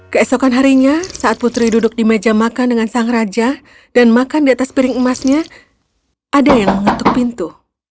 keesokan harinya saat putri duduk di meja makan dengan sang raja dan makan di atas piring emasnya ada yang mengetuk pintu